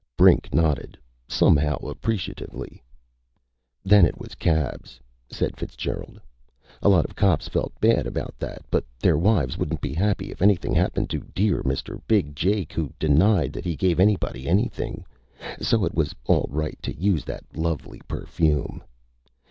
Brink nodded, somehow appreciatively. "Then it was cabs," said Fitzgerald. "A lot of cops felt bad about that. But their wives wouldn't be happy if anything happened to dear Mr. Big Jake who denied that he gave anybody anything, so it was all right to use that lovely perfume....